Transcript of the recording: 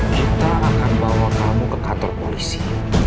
kita akan bawa kamu ke kantor polisi